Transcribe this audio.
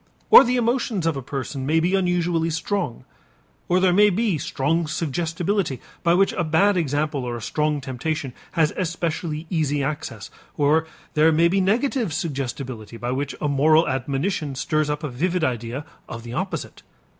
Or the emotions of a person may be unusually strong. Or there may be strong suggestibility, by which a bad example or a strong temptation has especially easy access. Or there may be negative suggestibility, by which a moral admonition stirs up a vivid idea of the opposite.